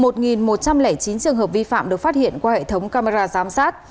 một một trăm linh chín trường hợp vi phạm được phát hiện qua hệ thống camera giám sát